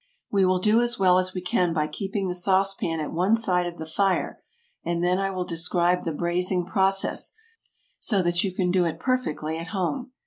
We will do as well as we can by keeping the sauce pan at one side of the fire, and then I will describe the braising process, so that you can do it perfectly at home.